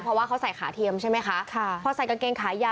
เพราะว่าเขาใส่ขาเทียมใช่ไหมคะค่ะพอใส่กางเกงขายาว